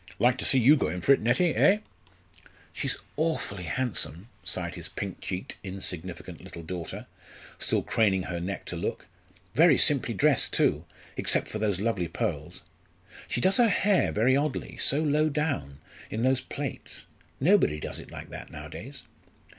Like to see you go in for it, Nettie, eh!" "She's awfully handsome," sighed his pink cheeked, insignificant little daughter, still craning her neck to look "very simply dressed too, except for those lovely pearls. She does her hair very oddly, so low down in those plaits. Nobody does it like that nowadays."